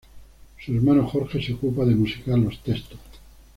Su hermano Jorge se ocupa de musicar los textos.